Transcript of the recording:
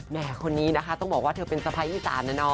แม่คนนี้นะคะต้องบอกว่าเธอเป็นสะพายอีสานนะเนาะ